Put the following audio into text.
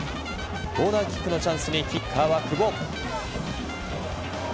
コーナーキックのチャンスにキッカーは久保。